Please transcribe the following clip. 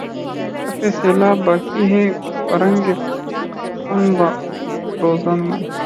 کفِ سیلاب باقی ہے‘ برنگِ پنبہ‘ روزن میں